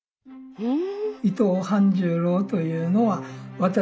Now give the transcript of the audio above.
へえ。